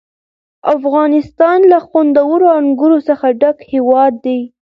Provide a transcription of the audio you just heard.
افغانستان له خوندورو انګورو څخه ډک هېواد دی.